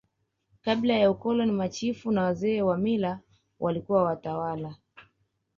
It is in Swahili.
kabla ya ukoloni machifu na wazee wa mila walikuwa watawala